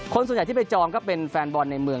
ส่วนใหญ่ที่ไปจองก็เป็นแฟนบอลในเมือง